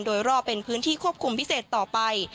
โดยรอบเป็นพื้นที่ควบคุมพิเศษต่อไป